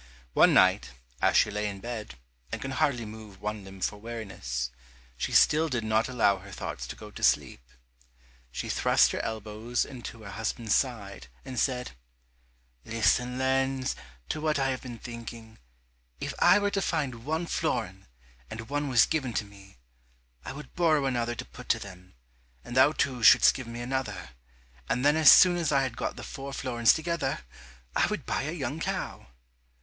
One night as she lay in bed, and could hardly move one limb for weariness, she still did not allow her thoughts to go to sleep. She thrust her elbows into her husband's side, and said, "Listen, Lenz, to what I have been thinking: if I were to find one florin and one was given to me, I would borrow another to put to them, and thou too shouldst give me another, and then as soon as I had got the four florins together, I would buy a young cow."